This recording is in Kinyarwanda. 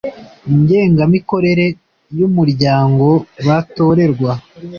Ngengamikorere y Umuryango batorerwa